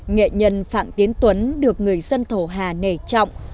nghệ nhân phạm tiến tuấn được người dân thổ hà nể trọng